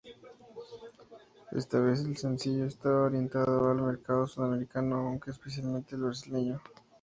Esta vez el sencillo estaba orientado al mercado sudamericano, aunque específicamente al brasileño.